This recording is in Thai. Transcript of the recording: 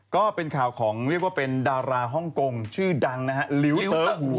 ก็เป็นข่าวของเรียกว่าเป็นดาราฮ่องกงชื่อดังนะฮะลิ้วเตอร์หู